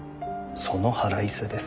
その腹いせです。